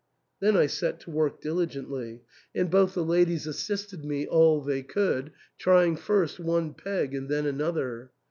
Then I set to work diligently, and both the ladies THE ENTAIL. 245 assisted me all they could, trying first one peg and then another.